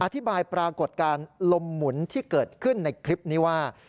อธิบายปรากฏการณ์ลมหมุนที่เกิดขึ้นในคลิปนี้ว่า